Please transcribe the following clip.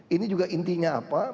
ini juga intinya apa